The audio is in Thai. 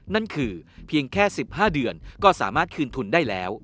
นั่นคือเพียงแค่๑๕เดือนก็สามารถคืนทุนได้แล้ว